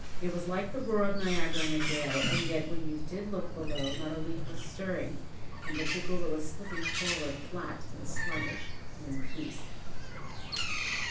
It was like the roar of Niagara in a gale, and yet when you did look below, not a leaf was stirring, and the Tugela was slipping forward, flat and sluggish, and in peace.